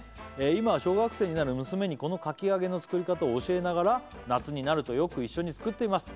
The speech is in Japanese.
「今は小学生になる娘にこのかき揚げの作り方を教えながら」「夏になるとよく一緒に作っています」